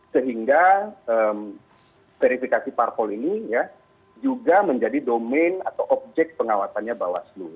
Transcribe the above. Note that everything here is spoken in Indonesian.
sehingga verifikasi parpol ini juga menjadi domain atau objek pengawasannya bawaslu